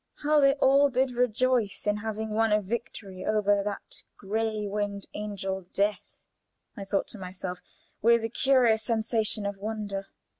How they all did rejoice in having won a victory over that gray winged angel, Death! I thought to myself, with a curious sensation of wonder.